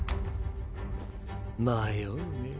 迷うねぇ。